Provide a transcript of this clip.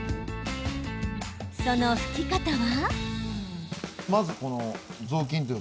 その拭き方は？